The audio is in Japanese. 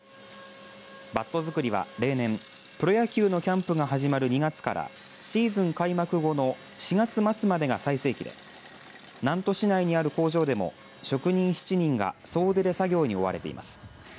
バットづくりは例年プロ野球のキャンプが始まる２月から、シーズン開幕後の４月末までが最盛期で南砺市内にある工場でも職人７人が総出で作業に追われています。